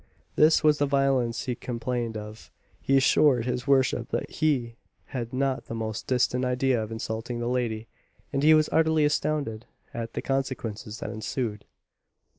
This was the violence he complained of. He assured his worship that he had not the most distant idea of insulting the lady, and he was utterly astonished at the consequences that ensued.